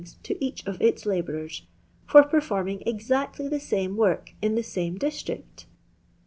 to each of its labourers, for performing exactly the same work in the same district